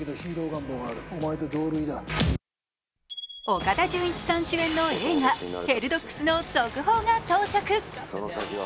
岡田准一さん主演の映画「ヘルドッグス」の続報が到着。